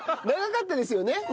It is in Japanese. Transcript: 長かったですよね？